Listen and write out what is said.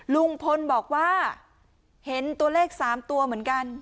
ลุงพลบอกว่าเห็นตัวเลข๓ตัวเหมือนกัน